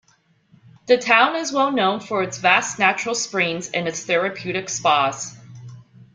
The town is well known for its vast natural springs and its therapeutic spas.